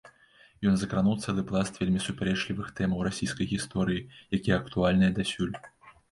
Ён закрануў цэлы пласт вельмі супярэчлівых тэмаў расійскай гісторыі, якія актуальныя дасюль.